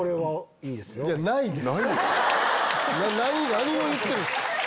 何を言ってんすか